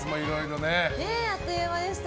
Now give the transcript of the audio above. あっという間でした。